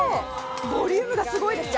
ボリュームがすごいですね。